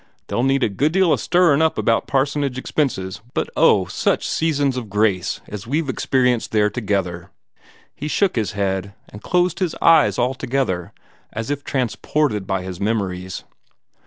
They'll need a good deal o' stirrin' up about parsonage expenses, but, oh! such seasons of grace as we've experienced there together!" He shook his head, and closed his eyes altogether, as if transported by his memories.